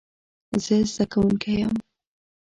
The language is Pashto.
زه زده کوونکی یم